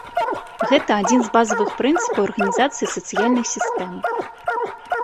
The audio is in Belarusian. Гэта адзін з базавых прынцыпаў арганізацыі сацыяльных сістэм.